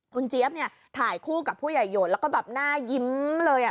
คุณเจี๊ยบเนี่ยถ่ายคู่กับผู้ใหญ่โหดแล้วก็แบบหน้ายิ้มเลย